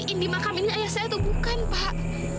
mestiin di makam ini ayah saya tuh bukan pak